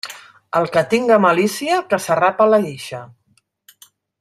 El que tinga malícia, que s'arrape la guixa.